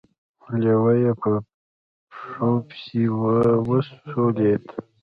لېوه يې په پښو پسې وسولېد.